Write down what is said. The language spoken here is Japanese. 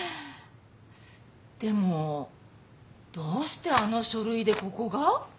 でもどうしてあの書類でここが？